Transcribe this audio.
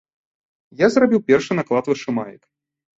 Я зрабіў першы наклад вышымаек.